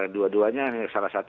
dua duanya salah satu